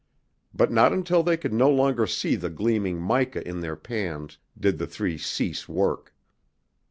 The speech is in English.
But not until they could no longer see the gleaming mica in their pans did the three cease work.